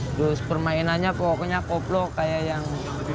terus permainannya pokoknya koplo kayak yang